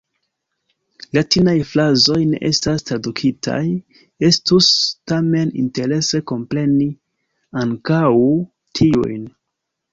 Latinaj frazoj ne estas tradukitaj; estus tamen interese kompreni ankaŭ tiujn.